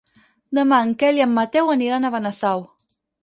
Demà en Quel i en Mateu aniran a Benasau.